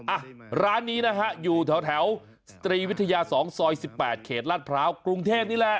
อ่ะร้านนี้นะฮะอยู่แถวสตรีวิทยา๒ซอย๑๘เขตลาดพร้าวกรุงเทพนี่แหละ